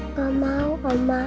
nggak mau oma